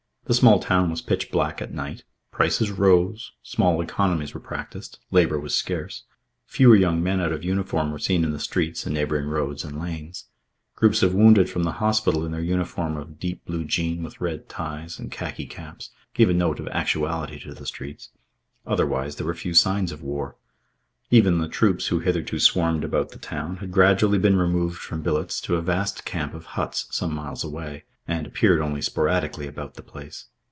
The small town was pitch black at night. Prices rose. Small economies were practised. Labour was scarce. Fewer young men out of uniform were seen in the streets and neighbouring roads and lanes. Groups of wounded from the hospital in their uniform of deep blue jean with red ties and khaki caps gave a note of actuality to the streets. Otherwise, there were few signs of war. Even the troops who hitherto swarmed about the town had gradually been removed from billets to a vast camp of huts some miles away, and appeared only sporadically about the place.